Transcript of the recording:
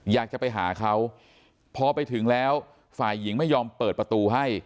อยากจะไปหาเขาพอไปถึงแล้วฝ่ายหญิงไม่ยอมเปิดประตูให้